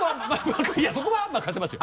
いやそこは任せますよ。